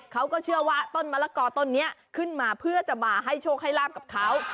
เขาก็เชื่อว่าต้นมะละกอต้นนี้ขึ้นมาเพื่อจะมาให้โชคให้ลาบกับเขา